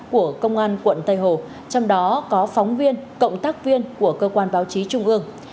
của công an quận tây hồ trong đó có phóng viên cộng tác viên của cơ quan báo chí trung ương